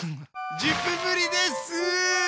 １０分ぶりです！